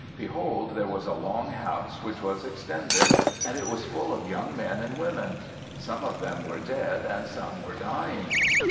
Behold, there was a long house which was extended, and it was full of young men and women. Some of them were dead and some were dying.